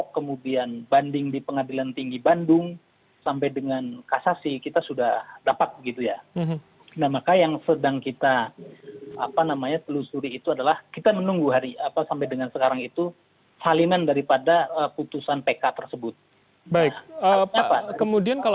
kemudian kalau anda